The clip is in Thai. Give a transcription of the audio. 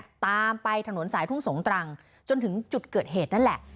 อำเภอทุ่งสงตามไปถนนสายทุ่งสงตรังจนถึงจุดเกิดเหตุนั้นแหละ